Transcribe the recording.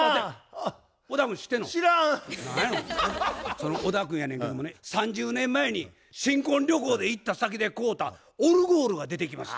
その小田君やねんけどもね３０年前に新婚旅行で行った先で買うたオルゴールが出てきまして。